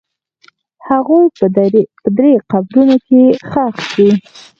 هغوی په درې قبرونو کې ښخ دي.